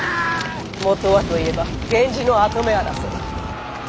元はといえば源氏の跡目争い。